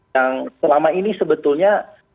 yang selama ini sebetulnya